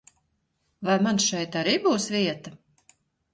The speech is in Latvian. Vai man šeit arī būs vieta?